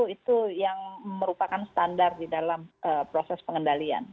itu yang merupakan standar di dalam proses pengendalian